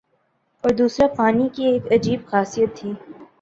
اور دوسرا پانی کی ایک عجیب خاصیت تھی